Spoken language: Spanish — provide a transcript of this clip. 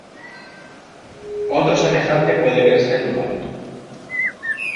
Otro semejante puede verse en lo alto.